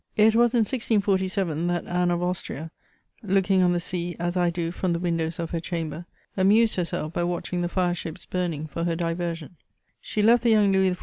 It was in 1647 that Anne of Austria, looking on the sea as I do from the windows of her chamber, amused herself by watching the fire ships burning for her diversion She left the young Louis XIV.